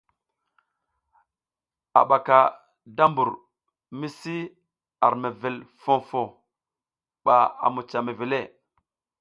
A ɓaka da mbur mi si ar mewel foh foh ɓa a mucah mewele.